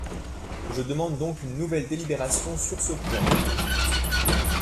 Je demande donc une nouvelle délibération sur ce point.